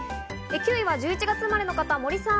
９位は１１月生まれの方、森さん。